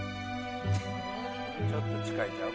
ちょっと近いんちゃう？